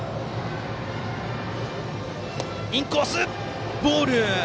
インコース、ボール。